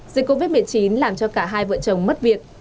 dịch covid một mươi chín làm cho cả hai vợ chồng mất việc